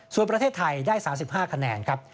ส่วนประเทศไทยได้๓๕คะแนนครับ